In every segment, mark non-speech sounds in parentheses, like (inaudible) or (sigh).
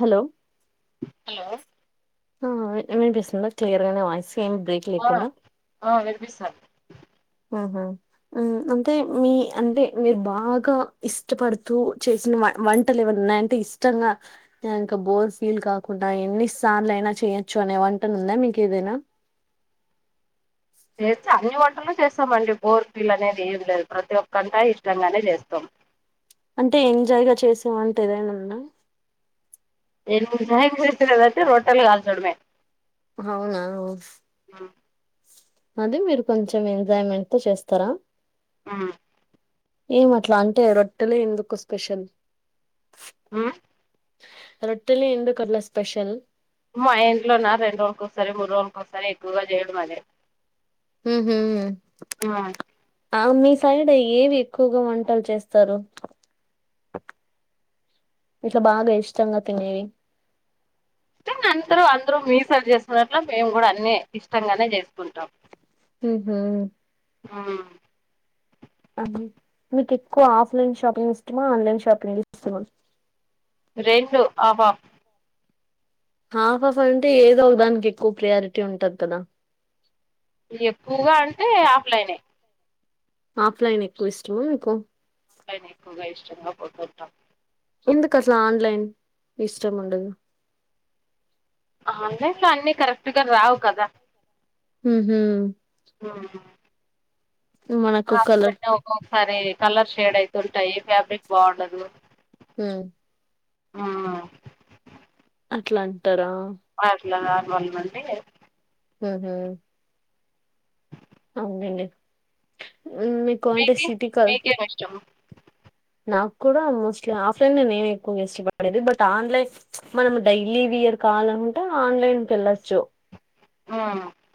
Hello hello ఆ ఏ ఏనిపిస్తుందా క్లియర్ గా నా వాయిస్ ఏమ్ బ్రేక్ ఆ ట్లేకుండా ఆ వినిపిస్తాంది అవునా మ్మ్ అంటే మీ అంటే మీరు బాగా ఇష్టపడుతూ చేసినవ వంటలు ఏవన్నా ఉన్నాయం టే ఇష్టంగా నేఇంకా బోర్ ఫీల్ కాకుండా ఎన్ని సార్లు అయినా చేయొచ్చు అనే వంటను ఉందా మీకు ఏదైనా చేస్తే అన్నీ వంటలు చేస్తామండి బోర్ ఫీల్ అనేది ఏం లేదు. ప్రతి ఒక్కంటాయ్ ఇష్టంగానే చేస్తాం అంటే ఎంజాయ్ గా చేసే వంటే ఏదైన ఉంద నేను ఎంజాయ్మెంట్ గా కాబట్టి రొట్టల్ కాల్చడమే అహా అవునా అదే మీరు కొంచెం ఎంజాయ్మెంట్ తో చేస్తారా ఆ ఏం అట్లా అంటే రొట్టెలే ఎందుకు స్పెషల్ ఆ రొట్టెలె ఎందుకర్లా స్పెషల్ మో మా ఇంట్లో ఉన్న రెండు రోజులకోసారి, మూడు రోజులకోసారి ఎక్కువగా చేయడం అదే ఉహుహ్మ్ ఉమ్ ఆవ్ మీ సైడ్ ఏవి ఎక్కువగా వంటలు చేస్తారు. ఇట్లా బాగా ఇష్టంగా తినేవి అంటే అందరూ అందరూ మీ సైలు చేసుకున్నట్లే మేము కూడా అన్నే ఇష్టంగానే చేసుకుంటాం ఉహుహ్మ్ అవునా అమ్మీ మీకి ఎక్కువగా ఆఫ్లైన్ షాపింగ్ ఇష్టమా ఆన్లైన్ షాపింగ్ ఇష్టమా రెండు హాఫ్ హాఫ్ హాఫ్ హాఫ్ అంటే ఏదో ఒక దానికి ఎక్కువ ప్రియారిటీ ఉంటది కదా ఇది ఎక్కువగా అంటే ఆఫ్లైనే ఆఫ్లైన్ ఎక్కువ ఇష్టమా మీకు టైం ఎక్కువగా ఇష్టంగా కొంటుంటామ్ ఎందుకు అసలు ఆన్లైన్ ఇష్టం ఉండదు ఆన్లైన్ లో అన్నీ కరెక్ట్ గా రావు కదా ఉహుహ్మ్ నవునా మనకు క్లాత్ కలర్ పెట్టే ఒక్కొక్కసారి కలర్ షేడ్ అయితుంటాయి ఫ్యాబ్రిక్ బావుండదు. హ్మ్ ఆ అట్లా అంటారా అట్లా నార్మల్ వి మంటే సరే అవునండె మీకు అంటే సిటీ క చెమ్ నాకు కూడా మోస్ట్లీ ఆఫ్లైన్ లో నేను ఎక్కువగా ఇష్టపడేది. బట్ ఆన్లైప్ మనం డైలీ వియర్ కావాలంటే ఆన్లైన్కిళ్ళొచ్చు. ఆ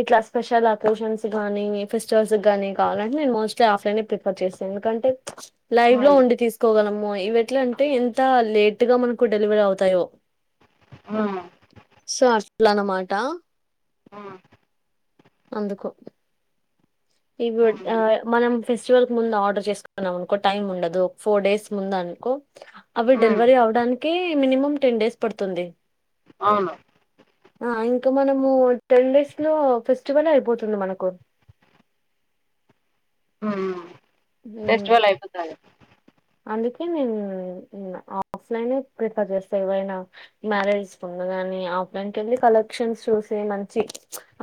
ఇట్ల స్పెషల్ అకేషన్స్ గానీ ఫెస్టివల్స్ గానీ కావాలంటే మోస్ట్లీ ఆఫ్లైనే ప్రి (unintelligible) ఎందుకంటే లైవ్ లో మ్మ్ ఉండి తీస్ కోగలము ఇవి ఎట్ల అంటే ఎంత లేట్గా మనకు డెలివరీ అవుతాయో. ఆ సో అట్ల అన్నమాట. ఆ అందుకు ఇగుడ్ మ్మ్ ఆ మనం ఫెస్టివల్కి ముందు ఆర్డర్ చేసుకున్నాం అనుకో టైమ్ ఉండదు. ఒక ఫోర్ డేస్ ముందు అనుకో అవి మ్మ్ డెలివరీ అవ్వడానికే మినిమం టెన్ డేస్ పడుతుంది. అ ఆ ఇంక మనము టెన్ డేస్ లో ఫెస్టివలే అయిపోతుంది మనకు. ఆ (unintelligible) అందుకే మేము ఆఫ్లైనే ప్రిఫర్ చేస్తా ఎవైన మ్యారేజ్ ముందు గాని ఆఫ్లైన్ కెళ్ళి కలెక్షన్స్ చూసి మంచి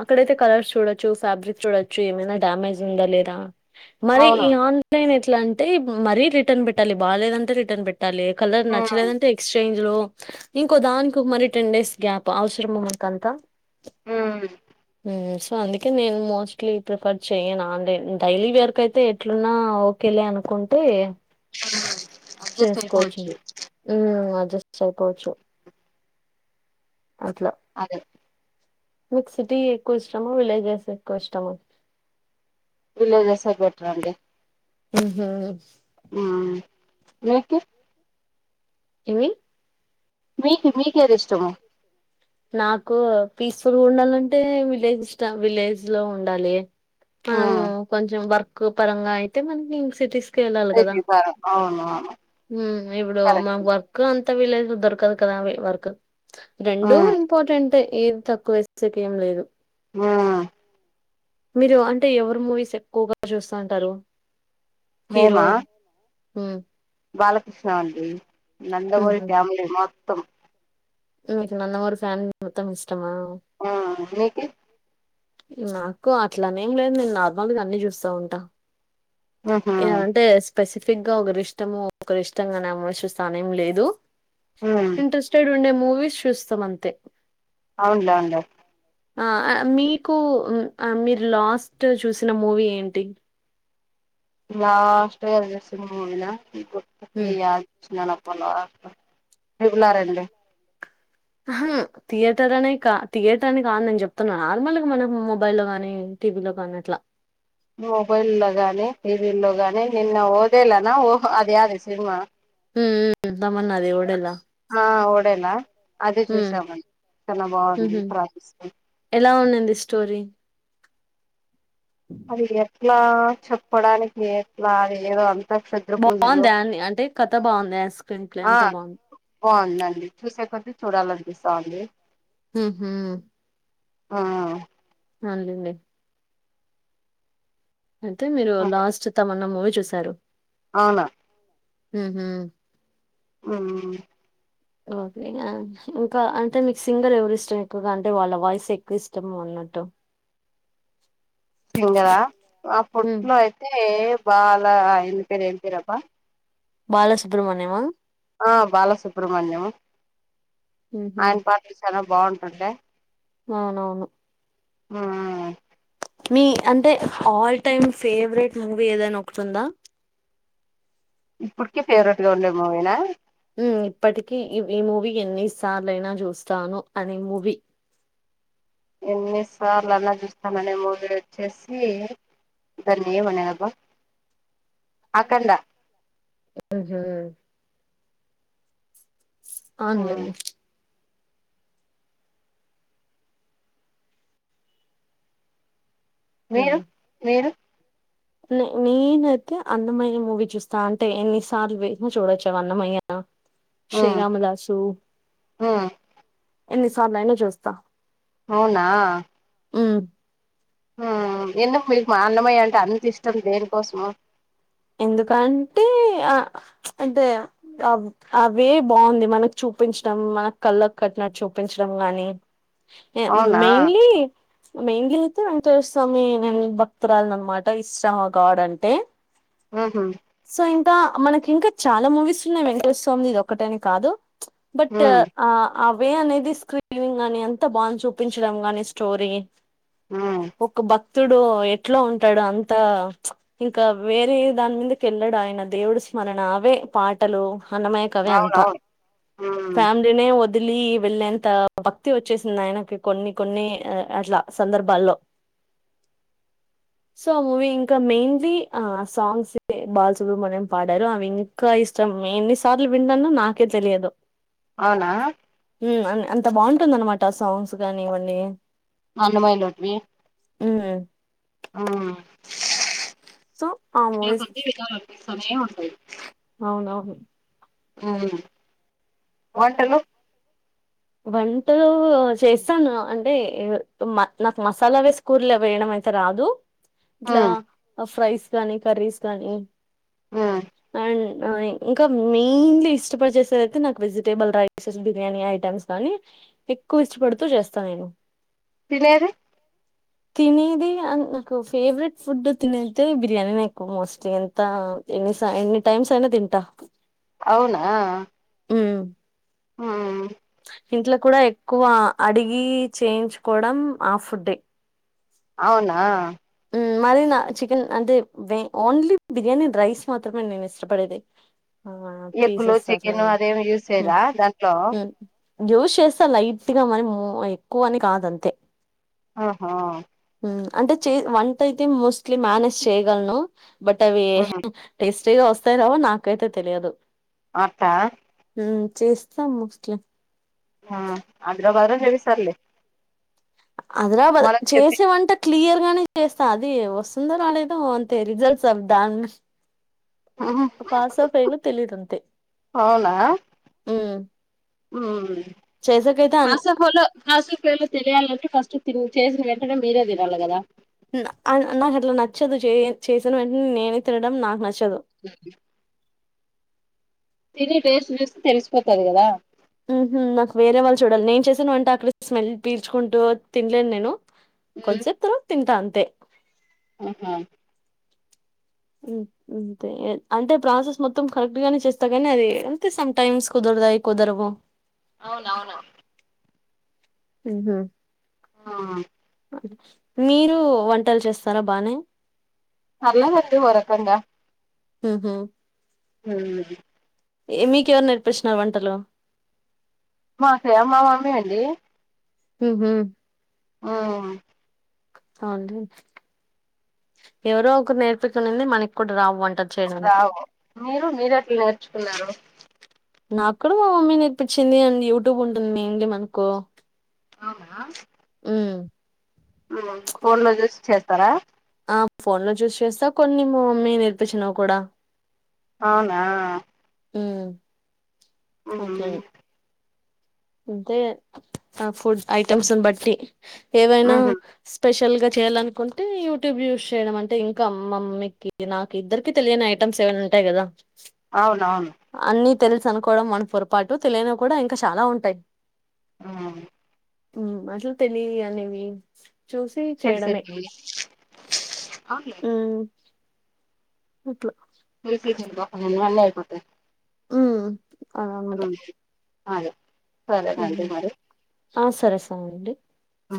అక్కడైతే కలర్స్ చూడొచ్చు ఫ్యాబ్రిక్ చూడొచ్చు ఏమైన డ్యామేజ్ ఉందా లేదా మరి అవును ఈ ఆన్లైన్ ఎట్ల అంటే మరి రిటర్న్ పెట్టాలి బాగాలేదంటే రిటర్న్ పెట్ కలర్ మ్మ్ నచ్చలేదంటే ఎక్స్చేంజ్ లో ఇంకో దానికి మరి టెన్ డేస్ గ్యాప్ అవసరం మనకంతా హు సో అందుకే నేను మోస్ట్లీ ప్రిఫర్ చెయ్యను ఆన్లైన్ డైలీ వేర్ కయితే ఎట్లున్నా ఒకేలే అనుకుంటే ఆ చేసుకోవచ్చు హమ్ అడ్జస్ట్ అయిపోచ్చు అట్ల అ మీకు సిటీ ఎక్కువ ఇష్టమ విలేజెస్ ఎక్కువ ఇష్టమ. విలేజసే బెటరండి ఉహు ఆ నీకి ఏమి మీకు మీకేది ఇష్టము నాకు పీస్ఫుల్గ ఉండాలంటే విలేజ్ ఇష్టం విలేజ్ లో ఉండాలి. మనము మ్మ్ కొంచెం వర్క్ పరంగ అయితే మనకి సిటీస్ కి వెళ్ళాలి కదా (unintelligible) అవునవును ఇప్పుడు మా వర్క్ అంతా విలేజ్లో దొరకదు కదా వర్క్ రెండూ మ్మ్ ఇంపార్టెంటె ఏది తక్కువ వేసకి ఏం లేదు ఆ మీరు అంటే ఎవరు మూవీస్ ఎక్కువగా చూస్త ఉంటారు హీరో. మేమా హు బాలకృష్ణ అండి నందమూరి మ్మ్ ఫ్యామిలీ మొత్తం మీకు నందమూరి ఫ్యామిలీ మొత్తం ఇష్టమ ఆ మీకి నాకు అట్లనేం లేదు నేన్ నార్మల్గా అన్ని చూస్తా ఉంటా మ్హూ య అంటే స్పెసిఫిక్ గా ఒకర్ ఇష్టము ఒకర్ ఇష్టంగానే ఆమోచిస్తానేం లేదు మ్మ్ ఇంట్రెస్ట్ టేడ్ ఉండే మూవీస్ చూస్తాం అంతే అవునులే అవునులే ఆ అ మీకూ మీరు లాస్ట్ చూసిన మూవీ ఏంటి లాస్ట్ గా చుసిన మూవీ నా గుర్తుకులే హ్మ్. యర్ చుసినబ్బా లాస్ట్ ఏంటి నారాయణది ఆ హా థియేటర్లనే క థియేటర్ అని కాదు నేను చెప్తున్నా నార్మల్గా మనం మొబైల్లో కానీ టీవీలో కానీ అట్లా మొబైల్ లో గానీ టీ విల్లో గానీ నిన్న ఓదేలనా ఓహ అదేయది సినిమా హ్మ్. హ్మ్. 'తమన్నా దేవుడెల' ఆ ఓడేలా అది హ్మ్. చూసామం చాలా బావుంది హుహు. ప్రతిస్తూ ఎలా ఉందండి స్టోరీ అది ఎట్లా చెప్పడానికి ఎట్లా అది ఏదో అం బాగుందా అని అంటే కథ బాగుంద స్క్రీన్ ప్లే అంతా బాగుం బావుందండి చూసే కొద్ది చూడాలనిపిస్తంది మ్ హూ ఆ అన్లెండీ అయితే మీరు లాస్ట్ తమన్నా మూవీ చూసారు ఆవును మ్ హు మ్ ఓకే నా ఇంకా అంటే మీకు సింగర్ ఎవర్ ఇష్టం ఎక్కువగా అంటే వాళ్ల వాయిస్ ఎక్ క్కువ ఇష్టమన్నట్టు (inaudible) సింగరా ఉమ్ అపుట్లో అయితే బాలా ఇన్ పేరు ఏం పేరబ్బ బాలసుబ్రమణ్యం ఆ ఆ బాలసుబ్ర్మణ్యము ఉహు ఆయన పాటలు చానా బాగుంటుండే అవునవును ఆ అ మీ అంటే అల్ల్టైమ్ ఫేవరెట్ మూవీ ఏదైనా ఒకటుందా ఇప్పట్కి ఫేవరెట్ గా ఉండే మూవీనా మ్ ఇప్పటికి ఈ మూవీ ఎన్ని సార్లైన చూస్తాను అనే మూవీ ఎన్ని సార్లు అన్నా చూస్తాననే మూవీ వచ్చేసి దన్ని ఏమలబ్బా మ్ హు ఉమ్ ఆన్లెండి మీరు మీరు నీనైతే అన్నమయ్య మూవీ చూస్తా అంటే ఎన్నిసార్లు వేసినా చూడొచ్చు అన్నమయ్య శ్రీ ఉమ్ రామదాసు ఉమ్ ఎన్నిసార్లయినా చూస్తా ఆవునా మ్ హు ఎందుకు మిక్ మా అన్నమయ్య అంటే అంత ఇష్టం దేనికోసం ఎందుకంటే ఆ అంటే (unintelligible) అవి బావుంది మనకు చూపించటం మనకు కళ్లకు కట్టినట్టు చూపించడం గాని అవునా మెయిన్లీ (unintelligible) వెంకటేశ్వ స్వామి నం భక్తురాల అనమాట ఇష్ట గాడ్ అంటే హహ సో ఇంక మనకి ఇంకా చాల మూవీస్ ఉన్నాయి వెంకటేశ స్వామి ఇది ఒకటేని కాదు బట్ ఉమ్ ఆ అవే అనేది స్క్రీని గాని అంత బంధి చూపించడం గాని స్టోరీ ఉమ్ ఒక బ క్తుడు ఎట్ల ఉంటాడు అంత ఇంకా వేరే దాని మింద కేళ్ళడు ఆయన దేవుడు స్మరణ అవే పాటలు అన్నమ (unintelligible) కవే అంత అవునవును ఫ్యా ఉమ్ ఫ్యాలినే వదిలి వెళ్ళంత భక్తి వచ్చేసింది ఆయనకి కొన్ని కొన్ని అట్లా సందర్భాల్లో సో ఆ మూవీ ఇంక మెయిన్లీ ఆ సాంగ్స్ బాలసుుబ్రహ్మణ్యం పాడారు అవి ఇంక ఇష్టం ఎన్నిసార్లు విన్నాను నాకే తెలియదు అవునా అంత బాగుంటుంది అనమాట సాంగ్స్ కానీ ఇవన్నీ అన్నమయలోటివి హు సో, ఆ మూవీస్ (unintelligible) అవునవును ఉ వంటలు చేస్తాను అంటే నాకు మసాల వేసు కూర్ల వేయడం అయితే రాదు ఇట్లా ఉమ్ ఫ్రైస్ కానీ కర్రీస్ గానీ ఉమ్ అం ఇంకా మెయిన్లీ ఇష్టపడి చేసేది (unintelligible) నా వెజిటేబుల్ రైసెస్ బిర్యానీ ఐటెమ్స్ గాని ఎక్కువ ఇష్టపడుతూ చేస్తాను నేను (unintelligible) తినేది నాకు ఫేవరెట్ ఫుడ్ తినేది బిర్యానీ నాకు మోస్ట్లీ ఎ (unintelligible) ఎన్ని టైమ్స్ అయినా తింట అవునా ఉ ఆ ఇంట్లో కూడ ఎక్కువ అడిగి చేయించుకోడం ఆ ఫుడ్డే అవునా మరి నా చికెన్ అంటే ఓన్లీ బిర్యానీ రైస్ మాత్రమే నేను ఇష్టపడేది ఆ పీసెస్ (unintelligible) అట్లా చికెన్ అదే ఏమి యూస్ మ్మ్ చేయర దాంట్లో మ్మ్ యూస్ చేస్తే లైట్గ మరి మో ఎక్కువని కాదంతే ఆహ అంటే చే వంటయితే మోస్ట్లీ మేనేజ్ చేయగలను బట్ అవీ ఉమ్ టేస్టీగ వస్తాయో రావో నాకైతే తెలియదు అట్ట మ్ చేస్త మోస్ట్లి ఆ (unintelligible) ఆదిర భద్ చెప్పి చేసే వంట క్లియర్ గానే చేస్తా అది వస్తుందో రాలేదో అంతే రిజల్ట్స్ అ దాని ఉహు పాసో ఫైల్ లో తెలియదు అంతే మ్ మ్ పాసో ఫైలో పసో పేలో తెలియాలంటే ఫస్ట్ తిన్ చేసిన వెంటనే మీరే తినాలి కదా న్ ఆ నాకు అట్లా నచ్చదు చే చేసిన వెంటనే నేనే తినడం నాకు నచ్చదు (unintelligible) తినే టేస్ట్ చూస్తే తెలిసిపోతది కదా మ్ హు నాకు వేరే వాళ్ళు చూడాలి నేను చేసిన వంట అక్కడ స్మెల్ పీల్చుకుంటూ తినలేను నేను ఉమ్ కొంచసెప్ తరవాత తింటా అంతే ఆహా మ్ అంతే అంటే ప్రాసెస్ మొత్తం కరెక్ట్ గానే చేస్తా కానీ అది అంతే సమ్ టైమ్స్ కుదురతాయి కుదరవు అవునవును మ్ హు ఆ మీరు వంటలు చేస్తారా బానె పర్లేదండి ఓ రకంగా మ్ హు మ్ ఏ మీకెవరు నేర్పిచ్చినారు వంటలు మాక మా మమ్మీ అండి మ్ హు మ్ అవండి ఎవరో ఒకరు నేర్పిస్తెది మనకి కూడా రావు వంటలు చేయడానికి రావు మీరు మీరు ఎట్లా నేర్చుకున్నారు నా కూడా మా మమ్మీ నేర్పించింది అండ్ యూట్యూబ్ ఉంటుంది ఇంగ మనకు అవున మ్ మ్ ఫోన్లో చూసి చెత్తారా ఆ ఫోన్ లో చూస్ చేస్తా కొన్ని మా మమ్మీ నేర్పించినావి కూడా అవునా మ్ మ్ అంటే ఆ ఫుడ్ ఐటమ్స్ని బట్టి ఏవైనా ఉహు స్పెషల్ గా చేయాలనుకుంటే యూట్యూబ్ యూస్ చేయడం అంటే ఇంకా మమ్మీకి నాకు ఇద్దరికి తెలియని ఐటమ్స్ ఏవైనా ఉంటాయి కదా అవునవును అన్నీ తెలుసు అనుకోవడం మన పొరపాటు తెలియనవి కూడా ఇంకా చాలా ఉంటాయి ఆ మ్ అసలు తెలియన్యి అనేవి చూసి చేయడమే తెలుసండి అవునులే మ్ అట్ల (unintelligible) అన్ని అయిపోతాయి మ్ మ్ హు అదే సరెనండి ఉమ్ మరి ఆ సరే సరే అండి ఆ